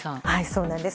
そうなんです。